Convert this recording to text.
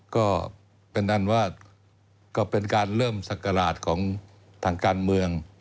ก็เป็นอันว่าก็เป็นการเริ่มศักราชของทางการเมือง